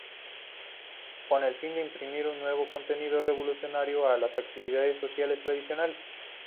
Con el fin de imprimir un nuevo contenido revolucionario a las actividades sociales tradicionales.